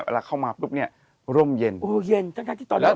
เวลาเข้ามาปุ๊บเนี่ยร่มเย็นโอ้เย็นทั้งที่ตอนนี้